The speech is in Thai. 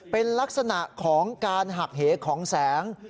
เป็นลักษณะของการหักเหของแสง